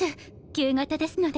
旧型ですので。